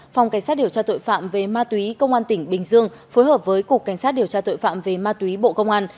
phòng cảnh sát điều tra tội phạm về ma túy công an tỉnh bình dương phối hợp với cục cảnh sát điều tra tội phạm về ma túy bộ công an